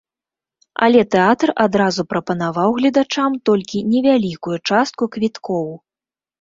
Але тэатр адразу прапанаваў гледачам толькі невялікую частку квіткоў.